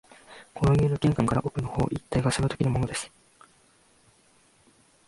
この家の玄関から奥の方一帯がそのときのものです